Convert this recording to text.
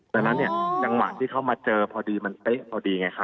ดังนั้นเนี่ยจังหวะที่เขามาเจอพอดีมันเป๊ะพอดีไงคะ